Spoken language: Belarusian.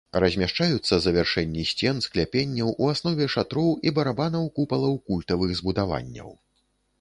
Размяшчаюцца завяршэнні сцен, скляпенняў, у аснове шатроў і барабанаў купалаў культавых збудаванняў.